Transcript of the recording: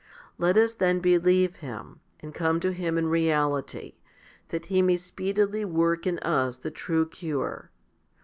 Let us then believe Him, and come to Him in reality, that He may speedily work in us the true cure.